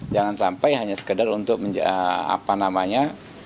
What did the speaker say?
jangan sampai hanya sekedar untuk apa namanya